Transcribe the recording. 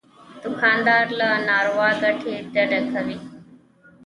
دوکاندار له ناروا ګټې ډډه کوي.